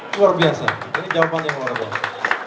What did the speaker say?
luar biasa ini jawaban yang luar biasa